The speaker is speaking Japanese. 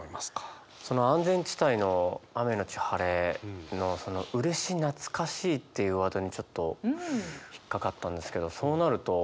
安全地帯の「雨のち晴れ」のその「嬉し懐かしい」っていうワードにちょっと引っかかったんですけどそうなると例えば。